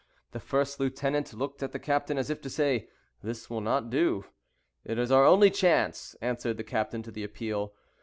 The first lieutenant looked at the captain, as if to say, "This will not do." "It is our only chance," answered the captain to the appeal.